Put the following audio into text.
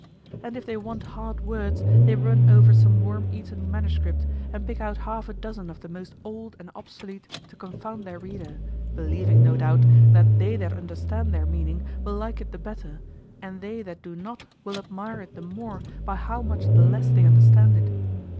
And if they want hard words, they run over some worm eaten manuscript and pick out half a dozen of the most old and obsolete to confound their reader, believing, no doubt, that they that understand their meaning will like it the better, and they that do not will admire it the more by how much the less they understand it.